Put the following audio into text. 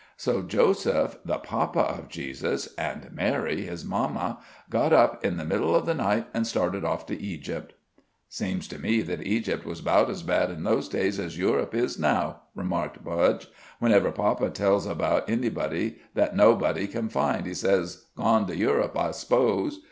So Joseph, the papa of Jesus, and Mary, His mamma, got up in the middle of the night, and started off to Egypt." "Seems to me that Egypt was 'bout as bad in those days as Europe is now," remarked Budge. "Whenever papa tells about anybody that nobody can find, he says, 'Gone to Europe, I s'pose.'